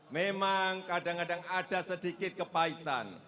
memang kadang kadang ada sedikit kepahitan